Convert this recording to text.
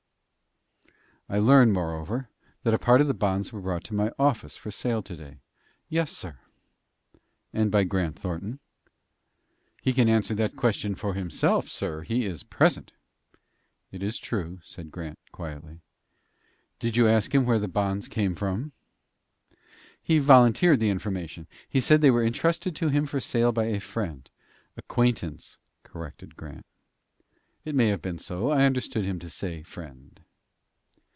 "I learn, moreover, that a part of the bonds were brought to my office for sale to day?" "Yes, sir." "And by Grant Thornton?" "He can answer that question for himself, sir. He is present." "It is true," said Grant, quietly. "Did you ask him where the bonds came from?" "He volunteered the information. He said they were intrusted to him for sale by a friend." "Acquaintance," corrected Grant. "It may have been so. I understood him to say friend."